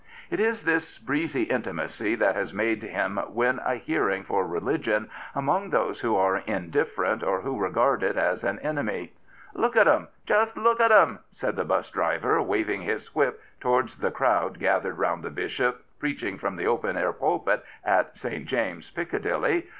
It is this breezy intimacy that has made him win a hearing for religion among those who are indifferent or who regard it as an enemy. " Look at *eml Just look at 'em I " said the 'bus driver, waving his whip towards the crowd gathered round the Bishop, preaching from the open air pulpit at St. James's, Piccadilly.